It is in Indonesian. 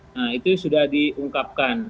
nah itu sudah diungkapkan